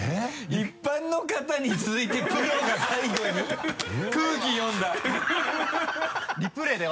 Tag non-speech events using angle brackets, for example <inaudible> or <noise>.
一般の方に続いてプロが最後に空気読んだ <laughs>